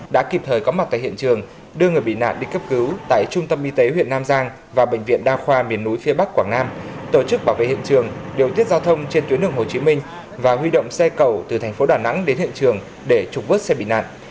đã kịp thời có mặt tại hiện trường đưa người bị nạn đi cấp cứu tại trung tâm y tế huyện nam giang và bệnh viện đa khoa miền núi phía bắc quảng nam tổ chức bảo vệ hiện trường điều tiết giao thông trên tuyến đường hồ chí minh và huy động xe cầu từ thành phố đà nẵng đến hiện trường để trục vớt xe bị nạn